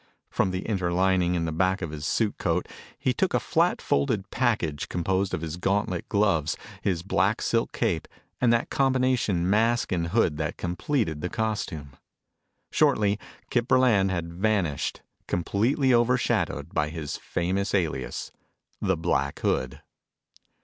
From the inter lining in the back of his suit coat, he took a flat folded package composed of his gauntlet gloves, his black silk cape, and that combination mask and hood that completed the costume. Shortly, Kip Burland had vanished, completely over shadowed by his famous alias the Black Hood.